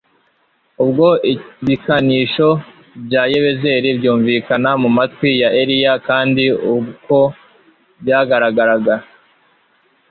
ubwo ibikangisho bya Yezebeli byumvikanaga mu matwi ya Eliya kandi uko byagaragaraga